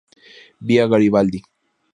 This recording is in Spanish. Vía Garibaldi.